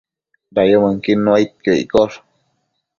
Dayumënquid nuaidquio iccosh